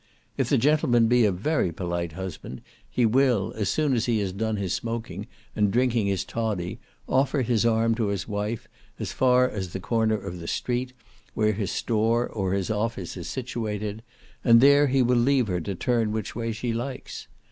If the gentleman be a very polite husband, he will, as soon as he has done smoking and drinking his toddy, offer his arm to his wife, as far as the corner of the street, where his store, or his office is situated, and there he will leave her to turn which way she likes.